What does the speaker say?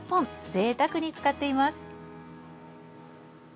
ぜいたくに使っています。